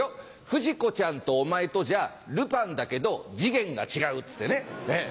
不二子ちゃんとお前とじゃルパンだけどジゲンが違うっつってね。